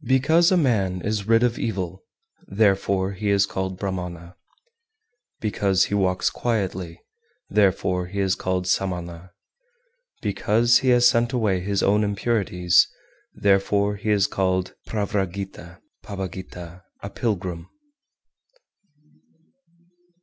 388. Because a man is rid of evil, therefore he is called Brahmana; because he walks quietly, therefore he is called Samana; because he has sent away his own impurities, therefore he is called Pravragita (Pabbagita, a pilgrim).